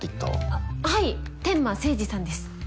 あっはい天間聖司さんです。